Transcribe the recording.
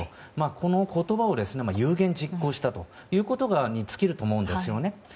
この言葉を有言実行したということに尽きると思うんですね。